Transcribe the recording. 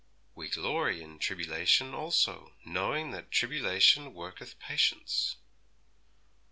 "We glory in tribbylation also, knowing that tribbylation worketh patience."